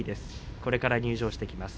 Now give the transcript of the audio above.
これから入場してきます。